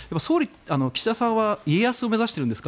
岸田さんは家康を目指しているんですか？